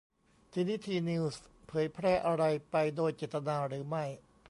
ทีนี้ ทีนิวส์เผยแพร่อะไรไปโดยเจตนาหรือไม่